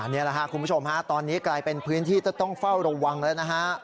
นี่แหละคุณผู้ชมตอนนี้กลายเป็นพื้นที่ต้องเฝ้าระวังแล้วนะครับ